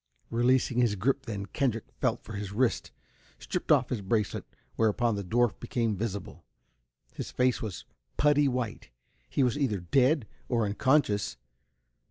Releasing his grip then, Kendrick felt for his wrist, stripped off his bracelet whereupon the dwarf became visible. His face was putty white. He was either dead or unconscious.